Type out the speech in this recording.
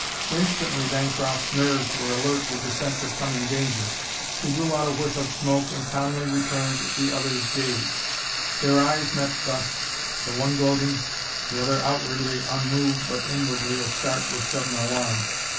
Instantly Bancroft's nerves were alert with the sense of coming danger. He blew out a whiff of smoke and calmly returned the other's gaze. Their eyes met thus, the one gloating, the other outwardly unmoved but inwardly astart with sudden alarm.